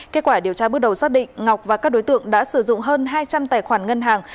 kết quả điều tra bước đầu xác định ngọc và các đối tượng đã sử dụng hơn hai trăm linh tài khoản ngân hàng